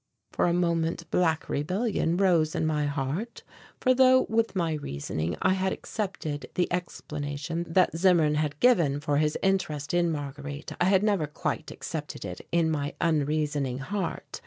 For a moment black rebellion rose in my heart, for though with my reasoning I had accepted the explanation that Zimmern had given for his interest in Marguerite, I had never quite accepted it in my unreasoning heart.